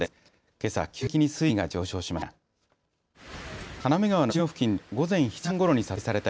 けさ、急激に水位が上昇しました。